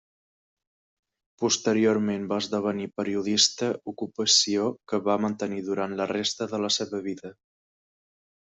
Posteriorment va esdevenir periodista, ocupació que va mantenir durant la resta de la seva vida.